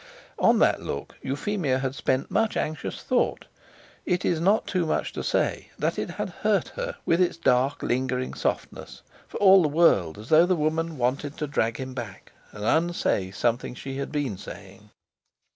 On that look Euphemia had spent much anxious thought. It is not too much to say that it had hurt her with its dark, lingering softness, for all the world as though the woman wanted to drag him back, and unsay something she had been saying.